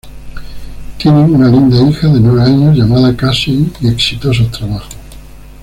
Tienen una linda hija de nueve años llamada Casey y exitosos trabajos.